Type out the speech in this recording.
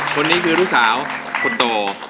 คนนี้คือลูกสาวคนโต